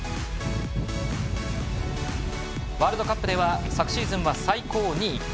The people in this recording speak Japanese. ワールドカップでは昨シーズンは最高２位。